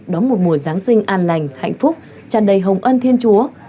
đóng một mùa giáng sinh an lành hạnh phúc tràn đầy hồng ân thiên chúa